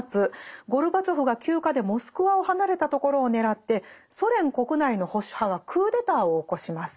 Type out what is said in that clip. ゴルバチョフが休暇でモスクワを離れたところを狙ってソ連国内の保守派がクーデターを起こします。